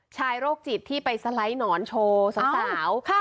โรคจิตที่ไปสไลด์หนอนโชว์สาว